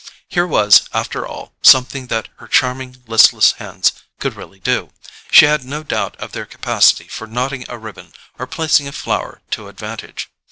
Here was, after all, something that her charming listless hands could really do; she had no doubt of their capacity for knotting a ribbon or placing a flower to advantage.